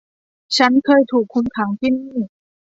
ฉันเคยถูกคุมขังที่นี่